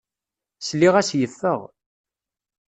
Sliɣ-as yeffeɣ.